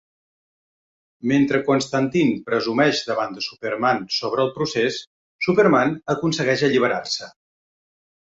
Mentre Constantine presumeix davant de Superman sobre el procés, Superman aconsegueix alliberar-se.